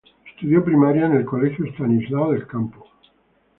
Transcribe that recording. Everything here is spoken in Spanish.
Estudió primaria en el colegio Estanislao del Campo.